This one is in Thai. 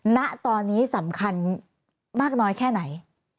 ณตอนนี้สำคัญมากน้อยแค่ไหน